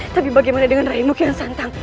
tapi bagaimana dengan rai mokian santang